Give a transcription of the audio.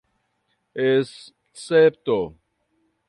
escepto